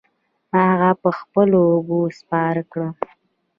ما هغه په خپلو اوږو سپار کړ.